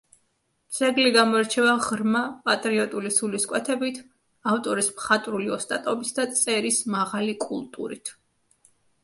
ძეგლი გამოირჩევა ღრმა პატრიოტული სულისკვეთებით, ავტორის მხატვრული ოსტატობით და წერის მაღალი კულტურით.